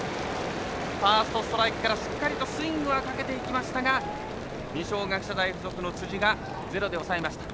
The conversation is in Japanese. ファーストストライクからしっかりスイングはかけていきましたが二松学舎大付属の辻がゼロで抑えました。